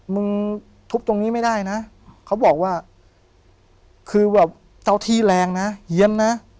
มึงทุบตรงนี้ไม่ได้นะเขาบอกว่าคือแบบเจ้าที่แรงนะเฮียนนะ